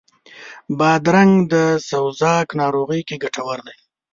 بادرنګ د سوزاک ناروغي کې ګټور دی.